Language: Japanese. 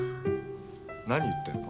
何言ってんの？